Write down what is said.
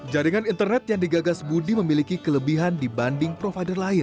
jaringan internet yang digagas budi memiliki kelebihan dibanding provider lain